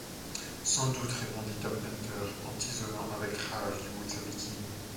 Sans doute, répondit Tom Hunter en tisonnant avec rage du bout de sa béquille.